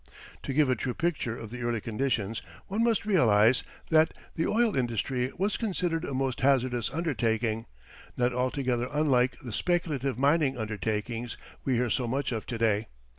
To give a true picture of the early conditions, one must realize that the oil industry was considered a most hazardous undertaking, not altogether unlike the speculative mining undertakings we hear so much of to day.